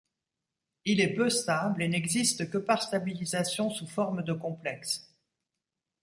Il est peu stable et n'existe que par stabilisation sous forme de complexes.